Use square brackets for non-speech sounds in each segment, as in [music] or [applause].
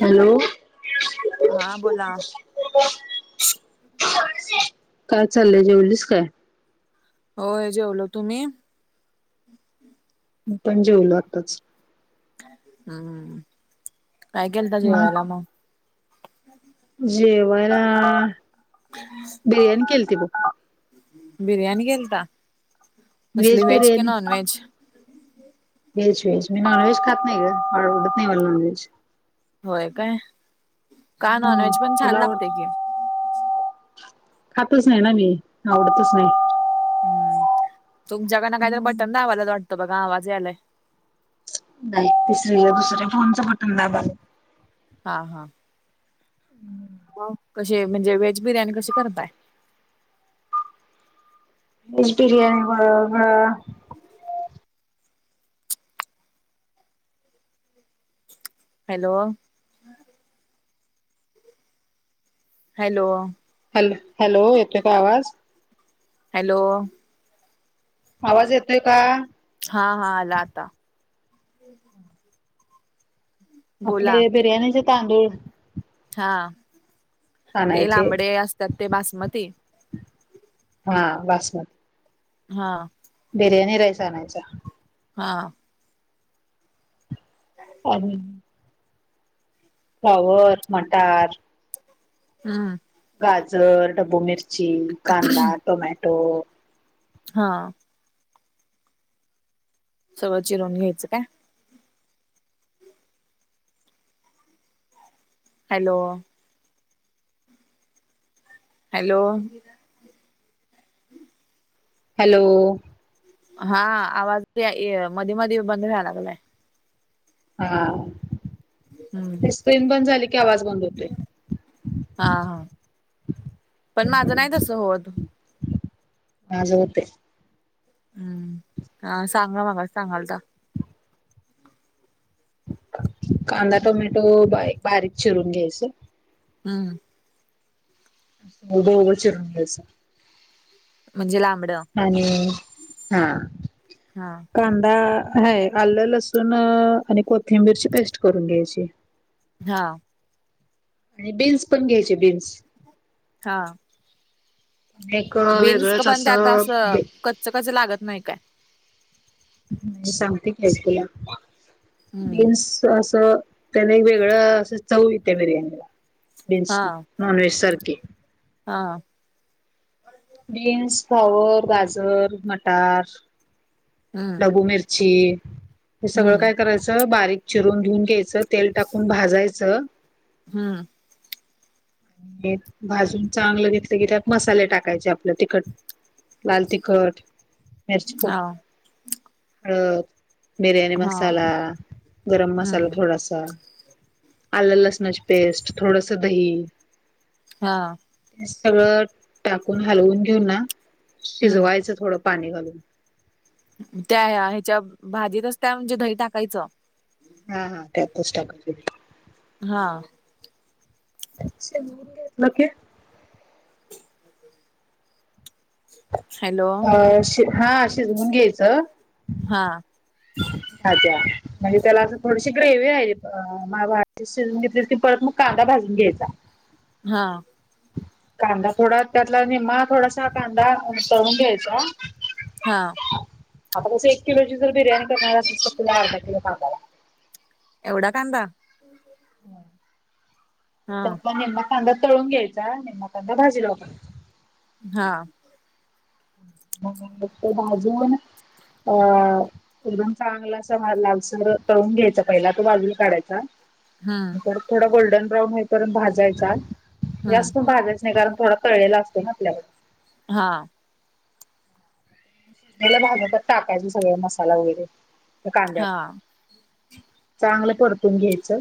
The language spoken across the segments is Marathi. हॅलो. हा बोला काय चाललंय? जेवलीस काय? होय जेवलो तुम्ही? पण जेवलो आत्ताच. हम्म काय केेलत जेवायला मग? जेवायला बिर्याणी केेलती बघ. बिर्याणी केलता कसली व्हेज कि नॉन व्हेज? व्हेज व्हेज मी नॉन व्हेज खात नाही मला आवडत नाही नॉन व्हेज. होय काय का हम्म नॉनव्हेज पण तुला छान लागतय आवडत की. खातच नाही ना मी आवडतच नाही. हम्म तुमच्याकडन काहीतर बटन दाबायलात वाटत बघा आवाज यायलाय. नाही तिसरीला दुसऱ्या फोनच बटन दाबाव. हा हां हम्म मग कशीये म्हणजे व्हेज बिर्याणी कशी करताय? वेहेज बिर्याणी बरोबर [unintelligible] हॅलो हॅलो हॅलो हॅलो येतोय काय आवाज? हॅलो आवाज येतोय का? हा हां आला आता. बोला आपले बिर्याणीचे तांदूळ हां ते आणायचे लांबडे असतात ते बासमती. हां बासमती हां बिर्याणी राईस आणायचा. हा [inaudible] [unintelligible] फ्लावर मटार हा गाजर, डब्बू मिरची, कांदा, टोमॅटो हां सगळ चिरवून घ्यायच काय. हॅलो हॅलो हॅलो हा आवाज मध्ये मध्ये बंद व्हायला लागलाय. हा हम्म ते स्क्रीन बंद झाली की आवाज बंद होतोय. हा हा पण माझ नाही तस होत. माझ होतय. हम्म हा सांगा मग सांगालता. कांदा टोमॅटो बारीक चिरून घ्यायच. हम्म हम्म उभ उभ चिरून घ्यायच‌ म्हणजे लांबड आणि हां हा कांदा है आलं लसूण आणि कोथिंबीरची पेस्ट करून घ्यायची. हा. आणि बीन्स पण घ्यायचे बीन्स. हा. एक वेगळाच स. कचकच लागत नाही का. सांगते काय तुला हम्म बीन्स असं. त्याने एक वेगळं अस चऊ यथे बिर्याणीला बीन्स हा नॉनव्हेज सारखे. हा. प्लीज प्लीज गाजर मटर फ्लावर. हम्म मिरची हम्म बारीक चिरून घेऊन घ्यायचं सगळं चिरून घेऊन घ्यायचं. तेल टाकून भाजायचं. हम्म. भाजून चांगलं घेतलं की त्यात मसाले टाकायचे आपलं तिकट. लाल तिखट मिरची मिरची हा पावडर हळद. बिर्याणी हा मसाला गरम मसाला हम्म थोडासा. आलं लसणाची पेस्ट थोडसं दही. हा. सगळं टाकून हलवून घेऊन ना हम्म शिजवायचं थोडं पाणी घालून. त्या ह्याच्या भाजीतच त्या म्हणजे दही टाकायचं. हा हा त्यातच टाका. हा. शेंगूर घेतलं क मग हे. हॅलो. अ हा शिजवून घ्यायच. हा ह त्या्या म्हणजे त्याला असं थोडीशी ग्रेवी आहे. मा शिजून घेतली की परत मग कांदा भाजून घ्यायचा. हा. कांदा थोडा त्यातला निम्मा थोडासा कांदा तळून घ्यायचा. हा. आता कसं एक किलोची जर बिर्याणी करणार असेल तर तुला अर्धा किलो कांदाल. एवढा कांदा. हा त्या निेममा कांदा तळून घ्यायचा निेममा कांदा भाजीला वापरायचा. हा. बाजून अ. एकदम चांगला अस लालसर तळून घ्यायचा पहिला तो बाजला काढायचा. हम्म ंतर थोडा गोल्डन ब्राऊन होईपर्यंत भाजायचा हम्म जास्तण भाजत नाही कारण थोडा. तळलेला असतो ना आपल्या. हा. त्याला भाज्यातात टाकायच सगळ मसाला वगैरे कांद्यात. हा चांगलं परतून घ्यायचं.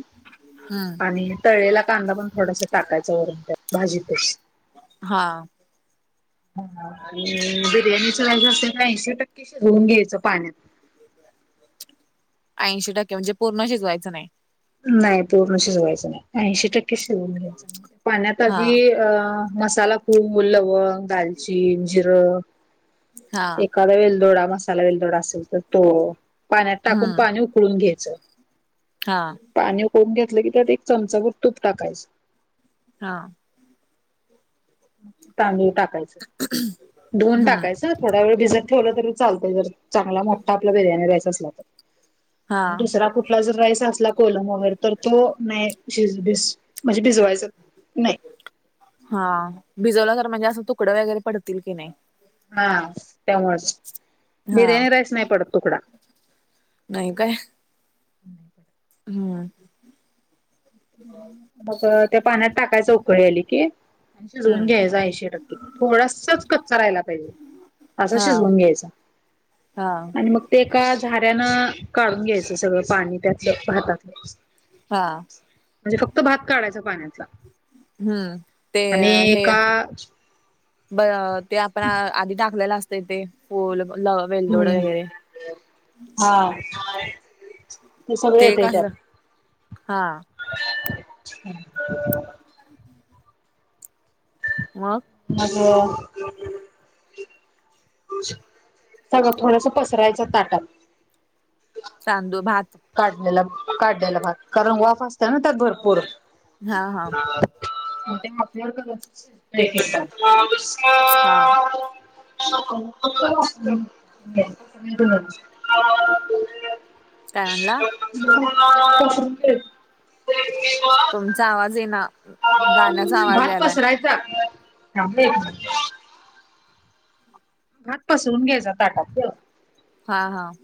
हम्म. आणि तळेला कांदा पण थोडासा टाकायचा वरून त्या भाजीपे. हा. ह बिर्याणीचं रायच असे. ऐंशी टक्केशीधुंऊन घ्यायचं पाण्यांत ऐंशी टक्के म्हणजे पूर्ण शिजवायचं कायं नाहीं पूर्ण शिजवायचं नाहीं ऐंशी टक्के शिजवूंन घ्यायचं पाण्यांत हा आंधी अं मसांला कोबू लवंग दालचीन जिरं हां एखादां वेलदोडा मसांला वेलदोडा असेल तरं तो पाण्यांत टाकूंन पाणी उकळूंन घ्यायचं हां पाणी उूकळुंन घेतलं की त्यांत एक चमचा भरं तूंप टाकायचं हां. तांदूळ टाकायचं. धुवूंन हम्म टाकायचं. थोडां वेळं भिजतं ठेवलं तरी चालतंय. जरं चांगला मोठा. आपला बिर्याणी राईस असला हा तरं. दुसरां कुंठला जरं राईस असलां. कोलम वगैरें तरं तो नाहीं शीज वायचं म्हणजे भिजवांयचं नाहीं हां भिजवलां तरं म्हणजे असं. तुकडं वगैरें पडतील की नाहीं. हां त्यांमुळेच. हा बिर्याणी राईस नाहीं पडतं. तुकडां. नाहीं कायं. हम्मं. गज [unintelligible] [unintelligible] मंग त्यां पाण्यांत टाकांयचा. उकळी आली की. शिजवूंन हम्म घ्यायचां. ऐशे टक्के. थोडांसाचं कच्चां राहियला पाहिजे. असं शिजवूंन घ्यायचां. हां. आणि मंग ते एकां झाऱ्यांन काढूंन घ्यायचं सगळं पाणी. त्यातलं. भातातलं. हां. म्हणजे फक्तं. भात काढायचं पाण्यांतला. हम्म आणि एकां बरं ते आपणं आंधी टाकलेलं असतं ते फूलं लं वेलदोडे वगैरें. हां. ते कसं. हां. हम्मं [unintelligible] मंग. अवं सगंळ थोडंसं पसरायचं ताटांत. तांदूळ भांत. काढलेला. काढलेला भांत. कारणं वांफ असतं नां त्यांत. भरंपूर. हा हा ते माफल्यांवर कांत हां. [unintelligible] काय म्हणला [inaudible] [unintelligible] तुमचां आवांज येईना. गाण्याचा आवाज भांत यायलाय पसरांयचा. भांत पासरवूंन घ्यायचां ताटांत गं. हां हां.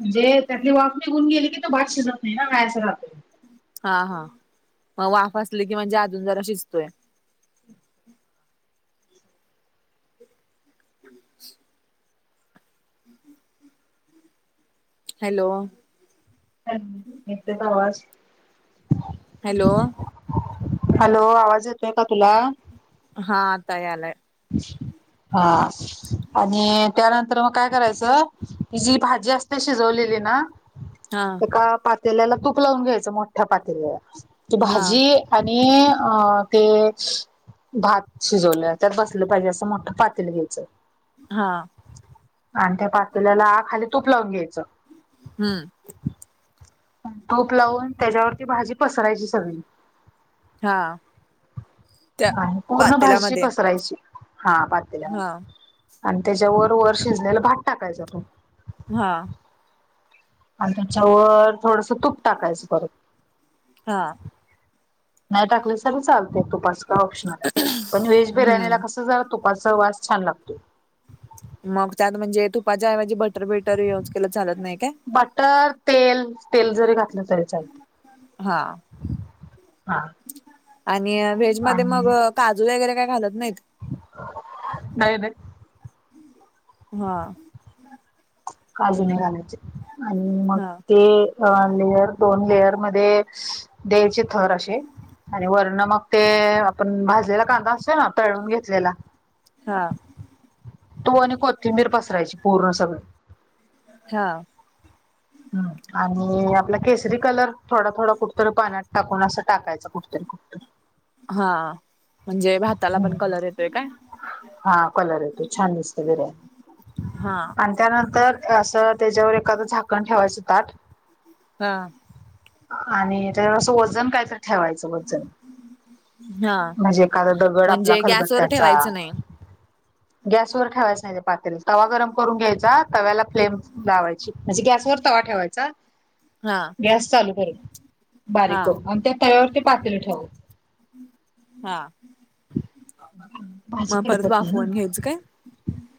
म्हणजे त्यांतली वाफं णीगुंन गेली की तो भांत शिजतं नाहीं नां गायाचं राहतो. हां हां. मं वाफं असली की म्हणजे अजूंन जरां शिजतोय. हम्मं हॅलो. हॅलो. येतोय का? आवाज. हॅलो. हॅलो. आवाज येतोय का? तुला. हा. आता यालाय. अच्छा [unintelligible] हा आणि त्यानंतर मग, काय करायचं. ही जी भाजी असते. शिजवलेली ना. हम् [unintelligible] हा. का पातेल्याला तूप लावून घ्यायचं. मोठ्या पातेल्याला. ती हा भाजी आणि अ ते भात शिजवले त्यात बसलं पाहिजे. असं मोठं पातील घ्यायचं. हां. आणि त्या पातेल्याला खाली. तूप लावून घ्यायचं. हम्म तूप लावून त्याच्यावरती भाजी पसरायची सगळी. हा त्या पूर्ण भाजी पातेलामध्ये पसरायची. हा भात दिल्या हा आणि त्याच्यावर वर शिजलेला भात टाकायचा तो. हा. आणि त्याच्यावर थोडसं तूप टाकायचं परत. हा. नाही टाकली सारी चालत एक तो पाच का ऑप्शनल आहे पण व्हेज बिर्याणीला हम्म कस ज तुपाचा वास छान लागतो. मग त्यात म्हणजे तुपाच्या ऐवजी बटर बिटर यूजकेलं चालत नाही का? बटर तेल तेल जरी घातलं तरी चालते. हा हा. आणि व्हेज मध्ये मग आणि काजू वगैरे काय? घालत नाहीत. नाही नाही. हा. काजू म घालायचे आणि मग हा ते. अ लेयर दोन लेयर मध्ये देयचे थर असे आणि वर मग ते आपण भाजलेला कांदा असतो ना तळून घेतलेला. हा. तू आणि कोथिंबीर पसरायची पूर्ण सगळे. हा. ह आणि आपला केसरी कलर थोडा थोडा कुठ तरी पाण्यात टाकून असं टाकायचं कुठ तरी. ह. हा म्हणजे भाताला पण कलर येतोय काय? हा कलर येतो छान दिसत बिर्याणी. हा. आणि त्यानंतर असं त्याच्यावर एखादं झाकण ठेवायचं ताट. हा. आणि त्याच्या असं वजन काय तर ठेवायचं वजन. हा म्हणजे एखादा दगड आपला म्हणजे खलबत गॅसवर त्याचा. ठेवायचं नाही गॅसवर ठेवायचं नाही पात्र तवा गरम करून घ्यायचा तव्याला फ्लेम लावायची. म्हंजी, गॅस वर तवा ठेवायचा. हा गॅस चालू करून, हा बारीक करून, अन त्या तव्यावरती, पातेलं ठेवा. हां, भाजी मग परत कडपत नाही ना वाफवून घ्यायचं काय?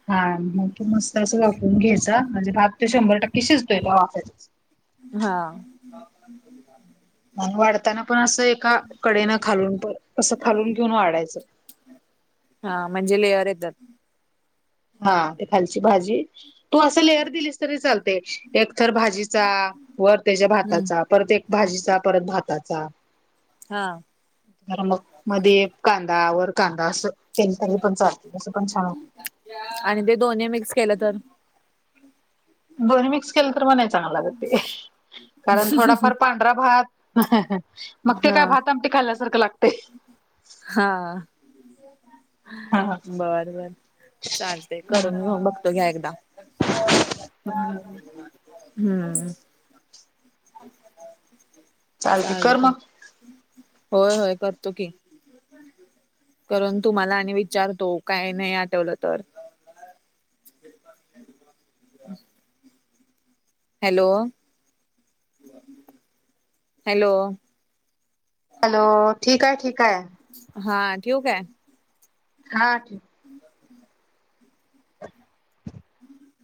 हा मंग की मस्त असं वाफुन घ्यायचा, म्हणजे भात ते शंभर टक्के शिजतोय, वापराच. हा. मंग वाढताना पण असं एका, कडेन खालून प असं खालून, घेऊन वाढायचं. हां, म्हणजे लेयर येत्यात. हा ते खालची भाजी, तू असं लेअर दिलीस तरी, चालते. एक थर भाजी चा, वर त्याच्या हम्म भाताचा, परत एक भाजीचा, परत भाताचा. हा. नमक मध्य कांदा वर कांदा अस, त्यांच्या पण चालत, तसं पण छान होतं. आणि ते दोन्ही मिक्स केलं तर दोन मिक्स केलं, तर मग नाय चांगलं लागत ते, कारण थोडाफार पा ढरा भात, मग ते हा काय भातन आमटी खाल्ल्यासारखं लागतय. हां. हा बर बर चालते, करून म बघतो घ्या, एकदा. हम्म. हम्म. चालते कर चालतयं. मग होय होय, करतो की. करून तुम्हाला आणि विचारतो, काय नाही आठवलं तर. ह [inaudible] हॅलो? हॅलो? हॅलो? ठीक हाय, ठीक हाय. हा, ठेवू काय? हा ठी [inaudible] [unintelligible]